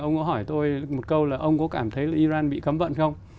ông có hỏi tôi một câu là ông có cảm thấy là iran bị cấm vận không